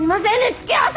付き合わせて。